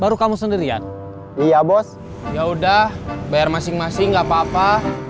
baru kamu sendirian iya bos yaudah bayar masing masing gapapa